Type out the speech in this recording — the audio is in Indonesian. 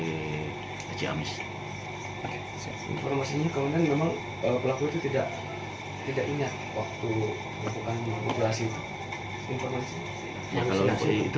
informasinya kalau benar memang pelaku itu tidak ingat waktu lakukan operasi itu